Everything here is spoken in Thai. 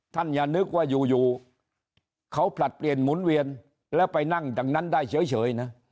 อย่านึกว่าอยู่เขาผลัดเปลี่ยนหมุนเวียนแล้วไปนั่งดังนั้นได้เฉยนะ